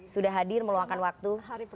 sudah hadir meluangkan waktu